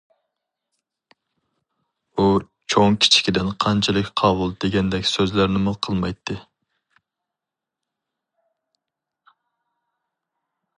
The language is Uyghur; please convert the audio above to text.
ئۇ چوڭ كىچىكىدىن قانچىلىك قاۋۇل دېگەندەك سۆزلەرنىمۇ قىلمايتتى.